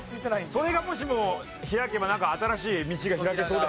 それがもしも開けばなんか新しい道が開けそうだよね。